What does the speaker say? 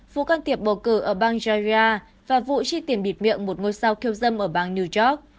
vụ can thiệp bầu cử ở bang georgia và vụ chi tiền bịt miệng một ngôi sao khiêu dâm ở bang new york